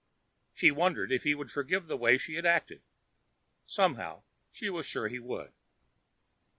She wondered if he would forgive the way she had acted. Somehow she was sure he would.